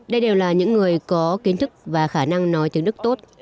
đây đều là những người có kiến thức và khả năng nói tiếng đức tốt